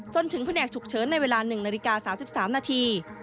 จนถึงแผนกฉุกเฉินในเวลา๑นาฬิกา๓๓นาที